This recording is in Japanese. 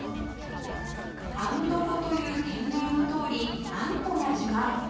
アンドコという店名のとおりあんこが自慢